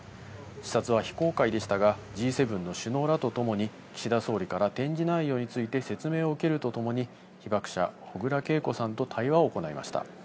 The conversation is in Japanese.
視察は非公開でしたが、Ｇ７の首脳らと共に、岸田総理から展示内容について説明を受けるとともに、被爆者、小倉桂子さんと対話を行いました。